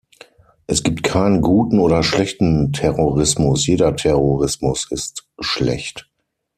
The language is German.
Es gibt keinen guten oder schlechten Terrorismus, jeder Terrorismus ist schlecht.